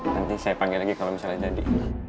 nanti saya panggil lagi kalau misalnya jadi